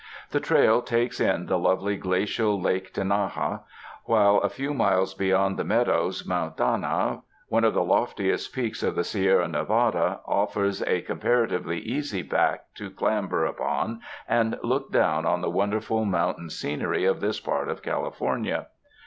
The trail takes in the lovely glacial Lake Tenaya; while a few miles beyond the Meadows, Mount Dana, one of the loftiest peaks of the Sierra Nevada, offers a com paratively easy back to clamber upon and look down on the wonderful mountain scenery of this part of California.